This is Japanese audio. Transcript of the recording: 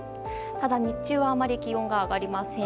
ただ、日中はあまり気温が上がりません。